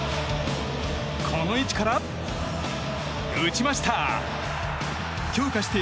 この位置から、打ちました！